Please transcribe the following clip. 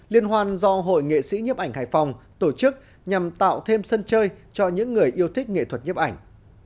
liên hoan do hội nghệ sĩ nhiếp ảnh hải phòng tổ chức nhằm tạo thêm sân chơi cho những người yêu thích nghệ thuật nhiếp ảnh